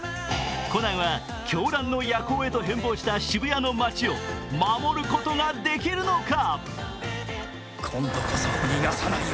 コナンは、狂乱の夜行へと変貌した渋谷の街を守ることができるのか。